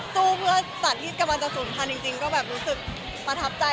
สู้เพื่อสัตว์ที่กำลังจะศูนย์พันธุ์จริงก็แบบรู้สึกประทับใจ